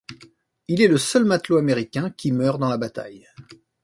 Il est le seul matelot américain qui meure dans la bataille.